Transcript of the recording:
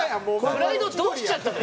プライドどうしちゃったの？